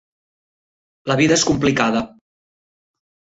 La vida és complicada.